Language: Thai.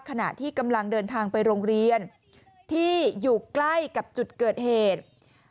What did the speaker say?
ขณะที่กำลังเดินทางไปโรงเรียนที่อยู่ใกล้กับจุดเกิดเหตุ